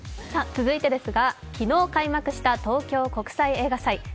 続いてですが昨日開幕した東京国際映画祭。